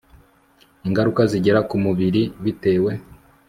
Ingaruka Zigera ku Mubiri Bitewe